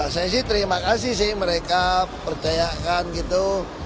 saya sih terima kasih sih mereka percayakan gitu